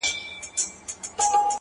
اوس د چا پر پلونو پل نږدم بېرېږم ـ